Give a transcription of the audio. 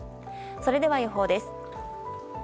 それでは予報です。